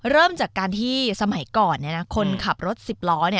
เริ่มจากการที่สมัยก่อนคนขับรถ๑๐ล้อ